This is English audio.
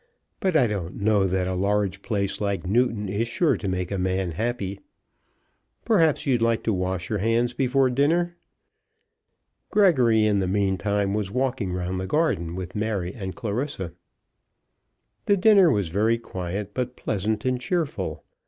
But I don't know that a large place like Newton is sure to make a man happy. Perhaps you'd like to wash your hands before dinner." Gregory, in the meantime, was walking round the garden with Mary and Clarissa. The dinner was very quiet, but pleasant and cheerful.